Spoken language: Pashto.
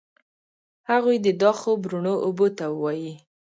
هغوی دي دا خوب روڼو اوبو ته ووایي